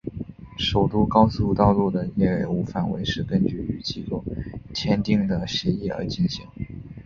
首都高速道路的业务范围是根据与机构签订的协定而进行。